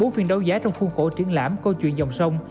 bốn phiên đấu giá trong khuôn khổ triển lãm câu chuyện dòng sông